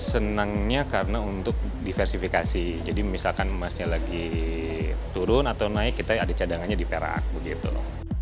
senangnya karena untuk diversifikasi jadi misalkan emasnya lagi turun atau naik kita ada cadangannya di perak begitu loh